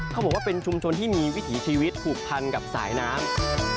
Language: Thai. เขาบอกว่าเป็นชุมชนที่มีวิถีชีวิตผูกพันกับสายน้ำ